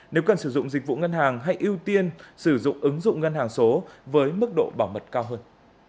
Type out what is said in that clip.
nếu cần sử dụng dịch vụ ngân hàng hay ưu tiên sử dụng ứng dụng ngân hàng số với mức độ bảo mật cao hơn